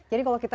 jadi kalau kita